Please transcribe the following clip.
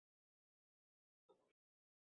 朱伟捷。